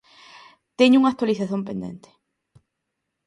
Teño unha actualización pendente